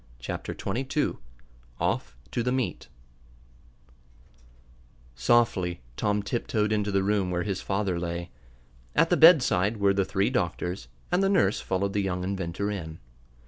Chapter Twenty Two Off to the Meet Softly Tom tiptoed into the room where his father lay. At the bedside were the three doctors, and the nurse followed the young inventor in.